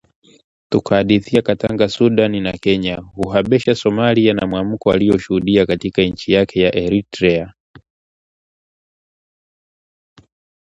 Tukahadithia Katanga, Sudan na Kenya, Uhabesha, Somalia na mwamko alioshuhudia katika nchi yake ya Eritrea